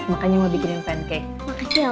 makanya mau bikinin pancake